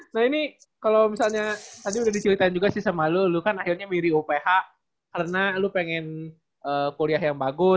nah ini kalo misalnya tadi udah diceritain juga sih sama lu lu kan akhirnya miri uph karena lu pengen kuliah yang bagus